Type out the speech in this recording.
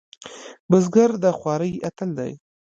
بزګر د خوارۍ اتل دی